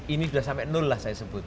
ini sudah sampai nol lah saya sebut